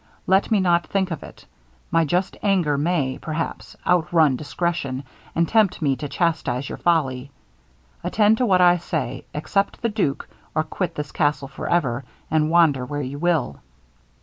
Let me not think of it My just anger may, perhaps, out run discretion, and tempt me to chastise your folly. Attend to what I say accept the duke, or quit this castle for ever, and wander where you will.'